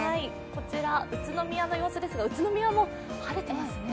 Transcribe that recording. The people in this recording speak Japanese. こちら、宇都宮の様子ですが、宇都宮も晴れてますね。